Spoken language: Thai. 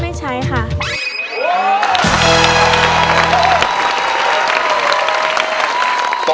ไม่ใช้ค่ะ